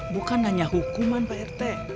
bukan hanya hukuman pak rt